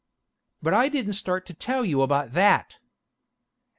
But I didn't start to tell you about that.